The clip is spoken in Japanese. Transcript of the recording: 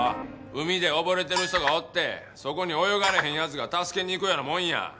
海で溺れてる人がおってそこに泳がれへん奴が助けに行くようなもんや。